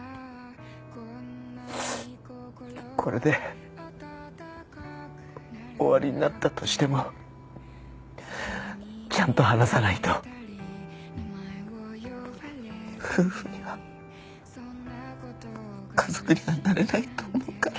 これで終わりになったとしてもちゃんと話さないと夫婦には家族にはなれないと思うから。